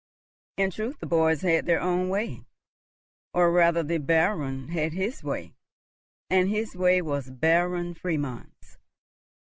In truth, the boys had their own way, or rather the Baron had his way, and his way was Baron Friedmund's.